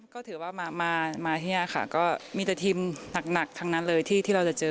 ก็ถือว่ามาที่นี่ค่ะก็มีแต่ทีมหนักทั้งนั้นเลยที่เราจะเจอ